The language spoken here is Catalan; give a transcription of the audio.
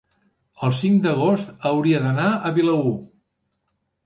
el cinc d'agost hauria d'anar a Vilaür.